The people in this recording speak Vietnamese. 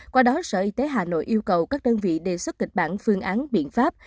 qua đó sở y tế hà nội yêu cầu các đơn vị đề xuất kịch bản phương án biện pháp